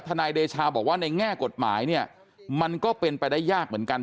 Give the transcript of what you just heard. นายเดชาบอกว่าในแง่กฎหมายเนี่ยมันก็เป็นไปได้ยากเหมือนกัน